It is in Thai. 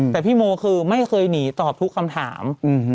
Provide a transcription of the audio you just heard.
แต่พี่โมคือไม่เคยหนีตอบทุกคำถาม